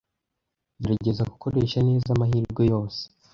Gerageza gukoresha neza amahirwe yose.